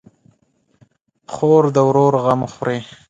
خور د ورور غم خوري.